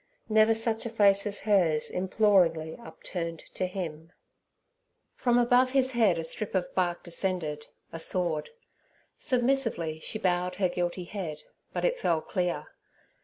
Never such a face as hers, imploringly upturned to Him. From above His head a strip of bark descended—a sword. Submissively she bowed her guilty head, but it fell clear.